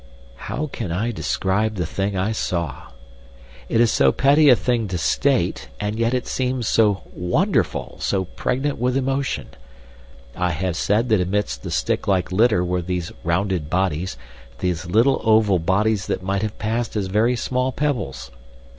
How can I describe the thing I saw? It is so petty a thing to state, and yet it seemed so wonderful, so pregnant with emotion. I have said that amidst the stick like litter were these rounded bodies, these little oval bodies that might have passed as very small pebbles.